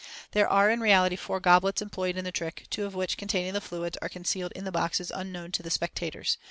There are in reality four goblets employed in the trick, two of which, containing the fluids, are concealed in the boxes unknown to the spectators.